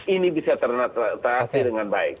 ini bisa ternateasi dengan baik